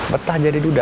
betah jadi duda